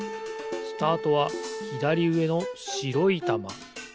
スタートはひだりうえのしろいたま。